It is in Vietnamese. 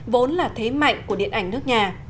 vốn là thế mạnh của điện ảnh nước nhà